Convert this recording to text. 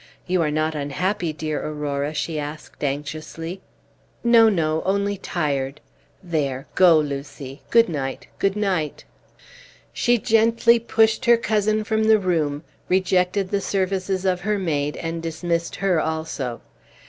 "You are not unhappy, dear Aurora?" she asked, anxiously. "No, no, only tired. There, go, Lucy. Good night, good night." She gently pushed her cousin from the room, rejected the services of her maid, and dismissed her also.